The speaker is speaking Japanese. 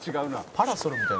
「パラソルみたい」